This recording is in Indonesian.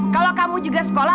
kalau kamu juga sekolah